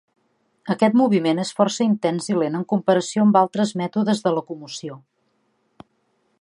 Aquest moviment és força intens i lent en comparació amb altres mètodes de locomoció.